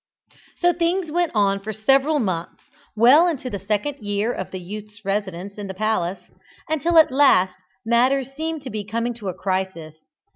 So things went on for several months, well into the second year of the youth's residence in the palace, until at last matters seemed coming to a crisis.